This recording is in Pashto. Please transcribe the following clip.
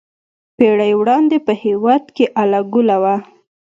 پېړۍ وړاندې په هېواد کې اله ګوله وه.